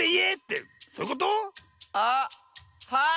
あっはい！